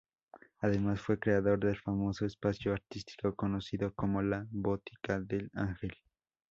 Además fue creador del famoso espacio artístico conocido como "La Botica del Ángel".